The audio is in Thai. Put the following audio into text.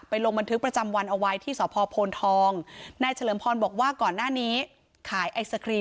พอบ้านปีน้ำเป็นพ่อขาร็อตเตอรี่